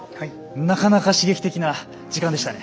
なかなか刺激的な時間でしたね。